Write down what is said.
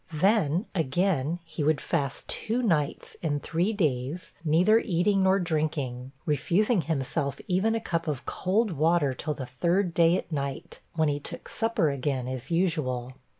Then, again, he would fast two nights and three days, neither eating nor drinking; refusing himself even a cup of cold water till the third day at night, when he took supper again, as usual.